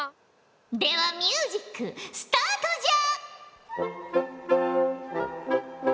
ではミュージックスタートじゃ！